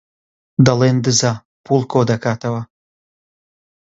دەڵێن دزە، پووڵ کۆدەکاتەوە.